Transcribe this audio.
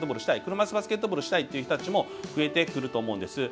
車いすバスケットボールしたいっていう人たちも増えてくると思うんです。